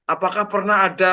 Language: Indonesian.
apakah pernah ada